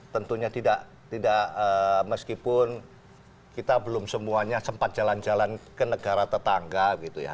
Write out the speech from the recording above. tentunya tidak meskipun kita belum semuanya sempat jalan jalan ke negara tetangga gitu ya